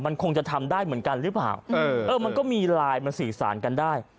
มันคงจะทำได้เหมือนกันหรือเปล่าเออมันก็มีไลน์มันสื่อสารกันได้